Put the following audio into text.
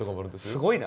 すごいな。